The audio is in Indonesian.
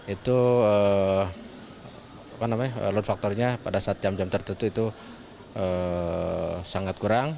itu apa namanya load faktornya pada saat jam jam tertutup itu sangat kurang